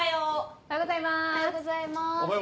おはようございます。